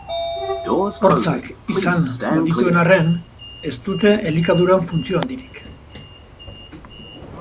Hortzak, izan, badituen arren, ez dute elikaduran funtzio handirik.